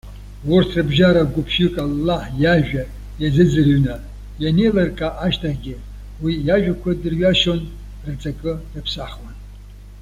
Урҭ рыбжьара гәыԥҩык Аллаҳ иажәа иазыӡҩырны, ианеилыркаа ашьҭахьгьы, уи иажәақәа дырҩашьон, рҵакы рыԥсахуан.